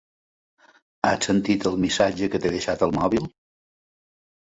Has sentit el missatge que t'he deixat al mòbil?